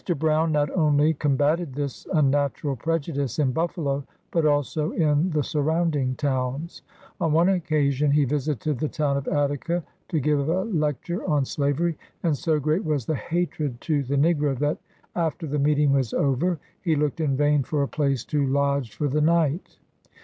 Brown not only com batted this unnatural prejudice in Buffalo, but also in the surrounding towns. On one occasion, he visited the town of Attica, to give a lecture on s.. and so great was the hatred to the negro, that after the meeting was over, he looked in vain for a place to lodge for the night.